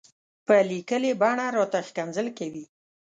په ليکلې بڼه راته ښکنځل کوي.